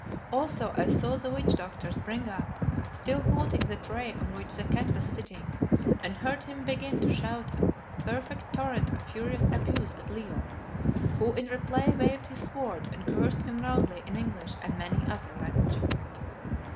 Also I saw the witch doctor spring up, still holding the tray on which the cat was sitting, and heard him begin to shout a perfect torrent of furious abuse at Leo, who in reply waved his sword and cursed him roundly in English and many other languages.